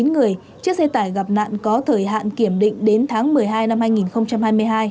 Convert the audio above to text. một mươi chiếc xe tải gặp nạn có thời hạn kiểm định đến tháng một mươi hai năm hai nghìn hai mươi hai